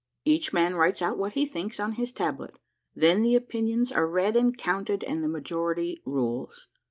Each man writes out what he thinks on his tablet. Then the opinions are read and counted and the majority rules.